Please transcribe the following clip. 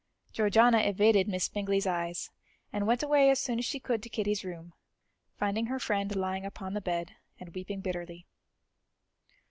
Georgiana evaded Miss Bingley's eyes, and went away as soon as she could to Kitty's room, finding her friend lying upon the bed and weeping bitterly.